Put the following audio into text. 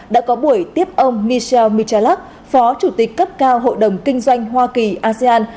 đã có buổi tiếp ông michel michalak phó chủ tịch cấp cao hội đồng kinh doanh hoa kỳ asean